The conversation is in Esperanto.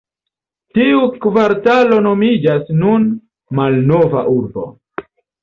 Tiu kvartalo nomiĝas nun "Malnova Urbo".